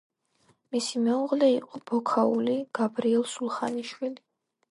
მისი მეუღლე იყო ბოქაული გაბრიელ სულხანიშვილი.